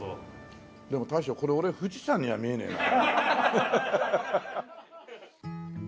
でも大将これ俺富士山には見えねえな。